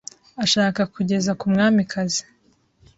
ashaka kugeza ku Mwamikazi.